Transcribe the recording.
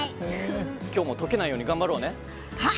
今日も溶けないように頑張ろうね。